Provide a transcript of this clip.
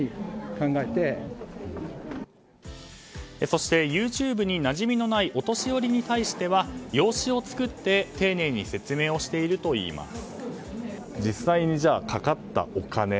そしてＹｏｕＴｕｂｅに馴染みもないお年寄りに対しては用紙を作って丁寧に説明をしているといいます。